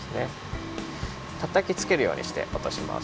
たたきつけるようにしておとします。